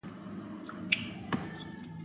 ټویټر د لنډو ویډیوګانو لپاره هم کارېدلی شي.